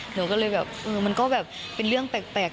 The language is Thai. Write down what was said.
หนูก็เลยแบบเออมันก็แบบเป็นเรื่องแปลก